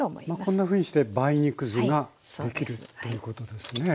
こんなふうにして梅肉酢ができるということですね。